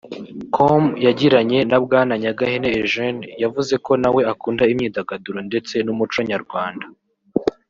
com yagiranye na Bwana Nyagahene Eugene yavuze ko nawe akunda imyidagaduro ndetse n’umuco nyarwanda